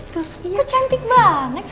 kau cantik banget sih